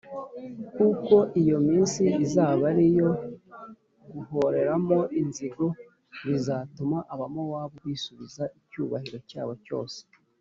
kuko iyo minsi izaba ari iyo guhoreramo inzigo bizatuma abamowabu bisubiza icyubahiro cyabo cyose